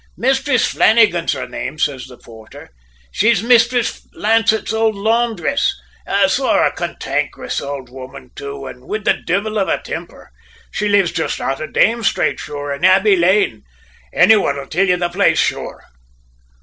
"`Mistress Flannagan's her name,' says the porter. `She's Mistress Lancett's ould la'ndress, sor; a cantankerous ould woman, too, an' wid the divvle of a temper! She lives jist out of Dame Strate, sure, in Abbey Lane. Any one'll till ye the place, sure!'